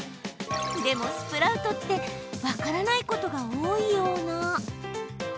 でも、スプラウトって分からないことが多いような。